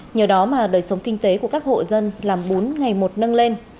nhờ đó mà đời sống kinh tế của các hộ dân làm bún ngày một nâng lên